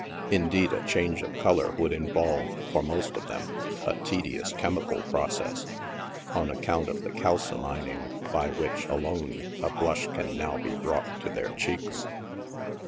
Indeed, a change of color would involve, for most of them, a tedious chemical process, on account of the " kalsomining" by which, alone, a blush can now be brought to their cheeks.